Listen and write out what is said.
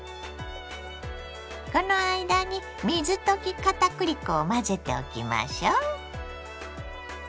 この間に水溶き片栗粉を混ぜておきましょ。